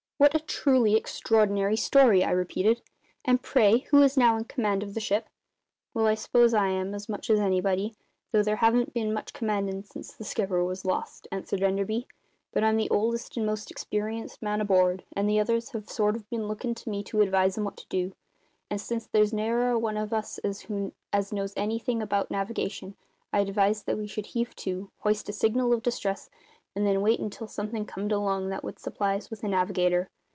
"What a truly extraordinary story!" I repeated. "And, pray, who is now in command of the ship?" "Well, I s'pose I am, as much as anybody though there haven't been much `commandin'' since the skipper was lost," answered Enderby. "But I'm the oldest and most experienced man aboard, and the others have been sort of lookin' to me to advise 'em what to do; and since there's ne'er a one of us as knows anything about navigation I advised that we should heave to, hoist a signal of distress, and then wait until something comed along that would supply us with a navigator.